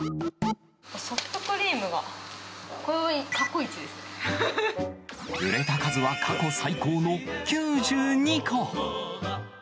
ソフトクリームが、過去一で売れた数は過去最高の９２個。